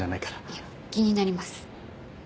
いや気になります。